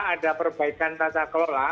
ada perbaikan tata kelola